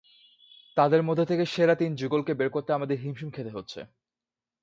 তাঁদের মধ্য থেকে সেরা তিন যুগলকে বের করতে আমাদের হিমশিম খেতে হচ্ছে।